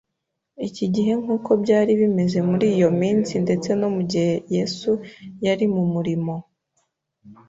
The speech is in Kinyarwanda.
iki gihe nk’uko byari bimeze muri iyo minsi ndetse no mu gihe Yesu yari mu murimo